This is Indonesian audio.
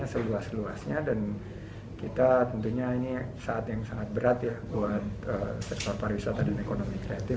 seluas luasnya dan kita tentunya ini saat yang sangat berat ya buat sektor pariwisata dan ekonomi kreatif